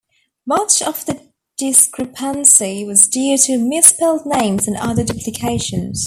Much of the discrepancy was due to misspelled names and other duplications.